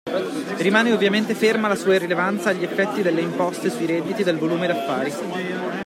Rimane ovviamente ferma la sua irrilevanza agli effetti delle imposte sui redditi e del volume d'affari.